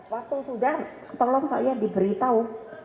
waktu sudah tolong saya diberitahu